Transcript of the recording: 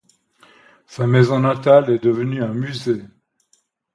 Sa maison natale est devenue un musée.